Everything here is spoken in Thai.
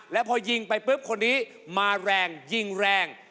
แล้วพอยิงไปปุ๊บคนนี้มาแรงยิงแรง